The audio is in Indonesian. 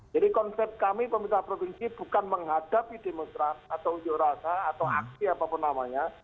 jadi konsep kami pemerintah provinsi bukan menghadapi demonstrasi atau ujur rasa atau aksi apapun namanya